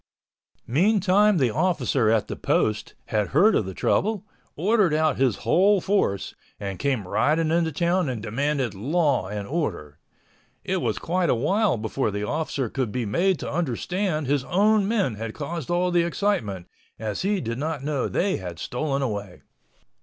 Meantime the officer at the Post had heard of the trouble, ordered out his whole force, and came riding into town and demanded law and order. It was quite a while before the officer could be made to understand his own men had caused all the excitement, as he did not know they had stolen away.